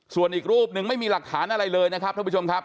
ส่วนอีกรูปหนึ่งไม่มีหลักฐานอะไรเลยนะครับท่านผู้ชมครับ